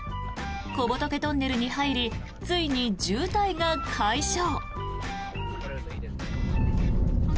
小仏トンネルに入りついに渋滞が解消。